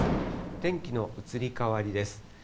天気の移り変わりです。